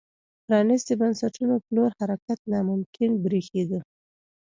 پرانیستو بنسټونو په لور حرکت ناممکن برېښېده.